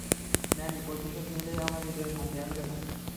Many, প্রতিশোধ নিলেই আমার হৃদয়ে শান্তি আসবে না।